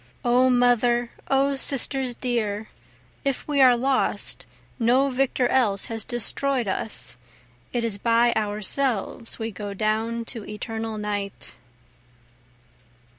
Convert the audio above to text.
(O Mother O Sisters dear! If we are lost, no victor else has destroy'd us, It is by ourselves we go down to eternal night.)